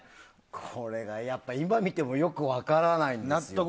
これが、やっぱり今見てもよく分からないんですよ。